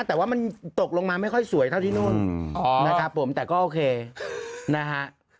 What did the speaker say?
แต่ว่ามันตกลงมาไม่ค่อยสวยเท่าที่นู่นนะครับผมแต่ก็โอเคนะฮะ